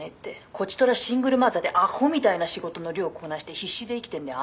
「こちとらシングルマザーでアホみたいな仕事の量こなして必死で生きてんだよ